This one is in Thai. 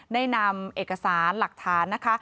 นำพระมหากษัตริย์แนะนำเอกสารหลักฐานนะคะ